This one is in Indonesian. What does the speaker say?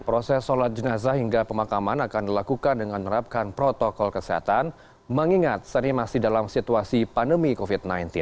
proses sholat jenazah hingga pemakaman akan dilakukan dengan menerapkan protokol kesehatan mengingat saat ini masih dalam situasi pandemi covid sembilan belas